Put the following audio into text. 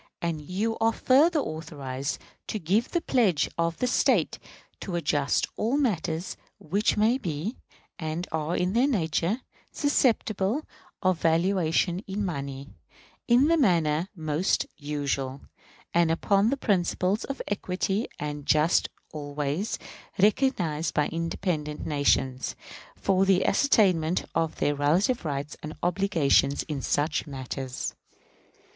And you are further authorized to give the pledge of the State to adjust all matters which may be, and are in their nature, susceptible of valuation in money, in the manner most usual, and upon the principles of equity and justice always recognized by independent nations, for the ascertainment of their relative rights and obligations in such matters....